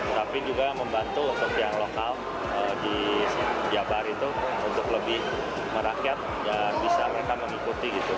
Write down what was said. tapi juga membantu untuk yang lokal di jabar itu untuk lebih merakyat dan bisa mereka mengikuti gitu